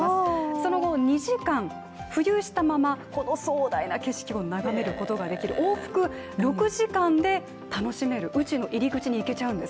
その後、２時間浮遊したままこの壮大な景色を眺めることができる往復６時間で楽しめる宇宙の入り口に行けちゃうんです。